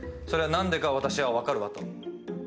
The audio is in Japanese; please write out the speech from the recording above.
それは何でか私は分かるわと。